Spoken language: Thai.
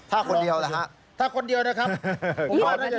ถ้าคนเดียวนะฮะถ้าคนเดียวนะครับแล้วคุณฟาดได้ไหม